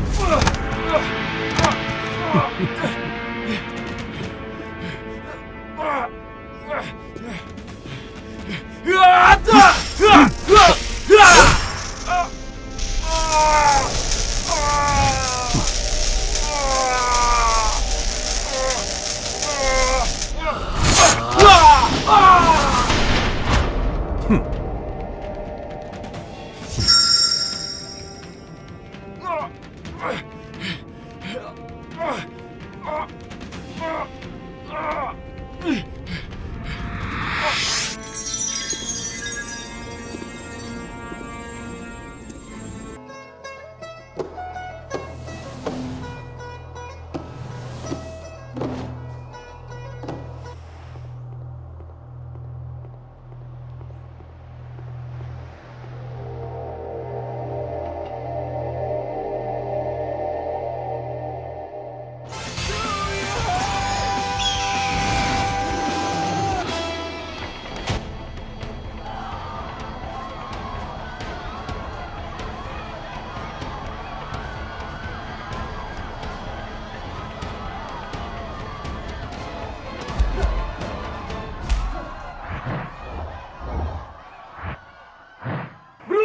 bima gunakan kekuatan helios liru